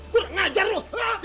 gua gak ajar lu